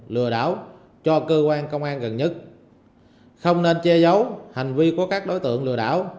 lừa đảo cho cơ quan công an gần nhất không nên che giấu hành vi của các đối tượng lừa đảo